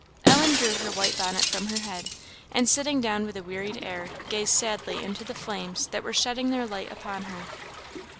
Ellen drew her white bonnet from her head, and sitting down with a wearied air, gazed sadly into the flames that were shedding their light upon her.